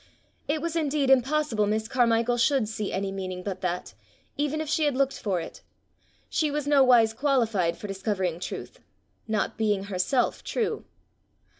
It was indeed impossible Miss Carmichael should see any meaning but that, even if she had looked for it; she was nowise qualified for discovering truth, not being herself true.